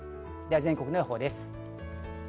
全国の予報です。